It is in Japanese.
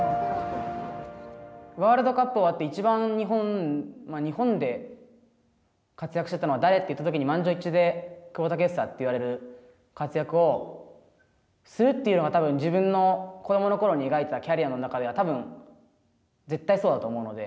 ワールドカップが終わって、いちばん日本で活躍してたのは誰といったときに満場一致で久保建英って言われる活躍をするというのがたぶん自分の子どものころに描いたキャリアの中では、たぶん、絶対そうだと思うので。